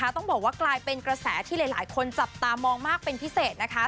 ต้องบอกว่ากลายเป็นกระแสที่หลายคนจับตามองมากเป็นพิเศษนะคะ